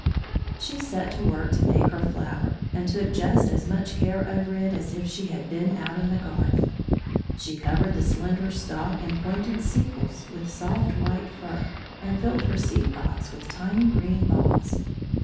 She set to work to make her flower, and took just as much care over it as if she had been out in the garden. She covered the slender stalk and pointed sepals with soft white fur, and filled her seed box with tiny green balls.